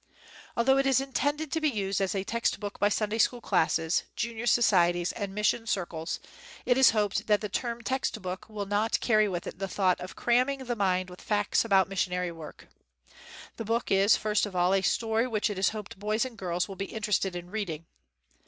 Although it is intended to be used as a text book by Sun day school classes, junior societies, and mis sion circles, it is hoped that the term text book will not carry with it the thought of "cramming" the mind with facts about mis sionary work. The book is first of all a story which it is hoped boys and girls will be interested in reading.